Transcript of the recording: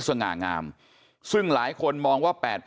ลาออกจากหัวหน้าพรรคเพื่อไทยอย่างเดียวเนี่ย